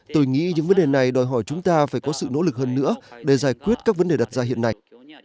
tôi nghĩ những vấn đề này đòi hỏi chúng ta phải có sự nỗ lực hơn nữa để giải quyết các vấn đề đặt ra hiện nay